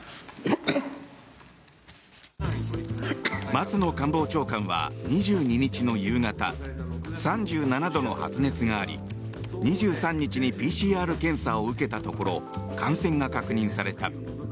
松野官房長官は２２日の夕方３７度の発熱があり２３日にＰＣＲ検査を受けたところ感染が確認された。